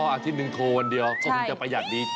อาทิตย์หนึ่งโทรวันเดียวก็คงจะประหยัดดี